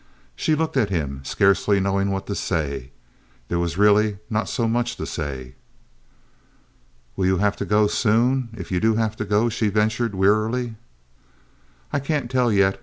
She looked at him, scarcely knowing what to say. There was really not so much to say. "Will you have to go soon, if you do have to go?" she ventured, wearily. "I can't tell yet.